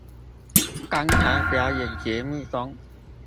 剛才表演節目中